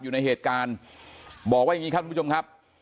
อยู่ในเหตุการณ์บอกว่าอย่างนี้ครับทุกผู้ชมครับ